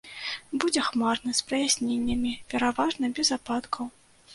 Будзе хмарна з праясненнямі, пераважна без ападкаў.